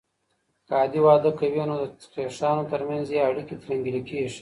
که عادي واده کوي، نو د خيښانو تر منځ ئې اړيکي ترينګلي کيږي.